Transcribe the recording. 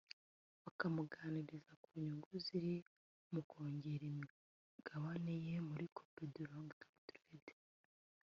bakamuganiriza ku nyungu ziri mu kongera imigabane ye muri Copedu ltd